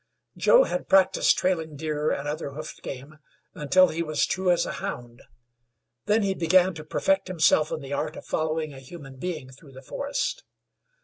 Joe had practiced trailing deer and other hoofed game, until he was true as a hound. Then he began to perfect himself in the art of following a human being through the forest.